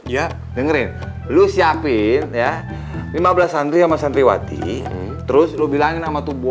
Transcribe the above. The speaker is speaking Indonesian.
ya dengerin lu siapin ya lima belas santri sama santriwati terus lo bilangin sama tubuh